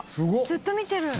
「ずっと見てる」